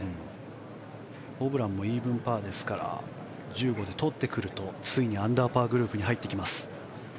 ホブランもイーブンパーですから１５でとってくるとついにアンダーパーグループに入ってきます。